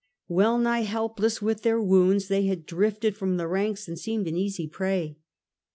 Well nigh helpless with their wounds, they had drifted from the ranks and seemed an easy prey.